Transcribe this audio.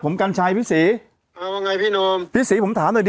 ผมกัญชัยพี่ศรีเอาว่าไงพี่โนมพี่ศรีผมถามหน่อยดิ